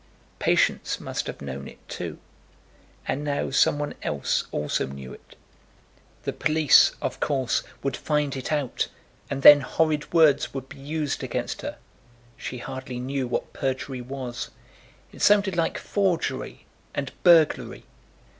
Patience must have known it, too; and now some one else also knew it. The police, of course, would find it out, and then horrid words would be used against her. She hardly knew what perjury was. It sounded like forgery and burglary.